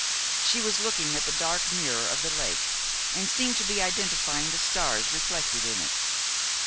She was looking at the dark mirror of the lake, and seemed to be identifying the stars reflected in it.